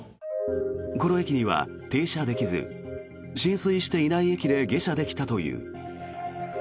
この駅には停車できず浸水していない駅で下車できたという。